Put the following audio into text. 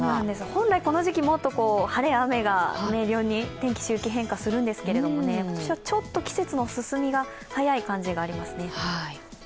本来、この時期、もっと晴れや雨が明瞭に天気周期変化するんですけど、今年はちょっと季節の進みが早い感じがしますね。